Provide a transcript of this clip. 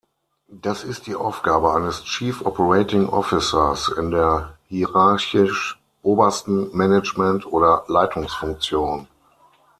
Das ist Aufgabe eines Chief Operating Officers in der hierarchisch obersten Management- oder Leitungsfunktion.